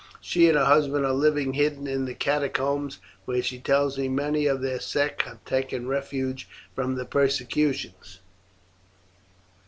She and her husband are living hidden in the catacombs, where she tells me many of their sect have taken refuge from the persecutions.